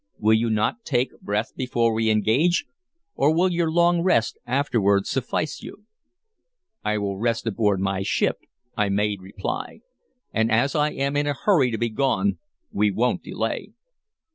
"Will you not take breath before we engage, or will your long rest afterward suffice you?" "I will rest aboard my ship," I made reply. "And as I am in a hurry to be gone we won't delay."